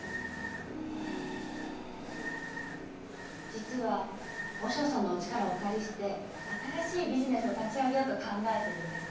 実は和尚さんのお力をお借りして新しいビジネスを立ち上げようと考えてるんです。